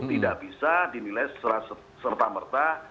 tidak bisa dinilai serta merta